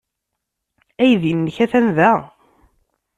Aydi-nnek atan da.